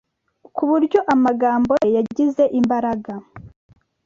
ku buryo amagambo ye yagize imbaraga